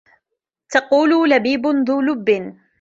تَقُولُ لَبِيبٌ ذُو لُبٍّ